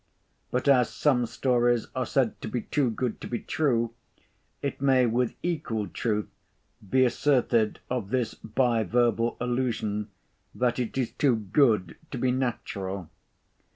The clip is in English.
But as some stories are said to be too good to be true, it may with equal truth be asserted of this bi verbal allusion, that it is too good to be natural.